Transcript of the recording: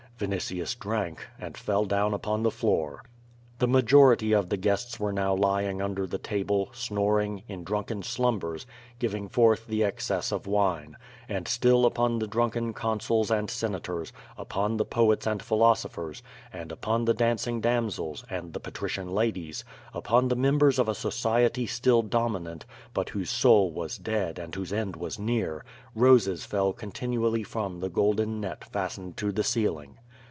Vinitius drank, and fell down upon the floor. The majority of the guests were now lying under the table, snoring, in drunken slumbers, giving forth the excess of wine. And still upon the drunken Consuls and Senators, upon the poets and philosophers, and upon the dancing dam sels, and the patrician ladies, upon the members of a society still dominant, but whose soul was dead and whose end was near, roses fell continually from the golden net fastened to the ceiling.